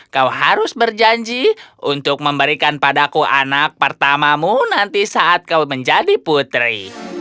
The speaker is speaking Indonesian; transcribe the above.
kau harus berjanji untuk memberikan padaku anak pertamamu nanti saat kau menjadi putri